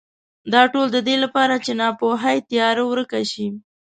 دا ټول د دې لپاره چې ناپوهۍ تیاره ورکه شي.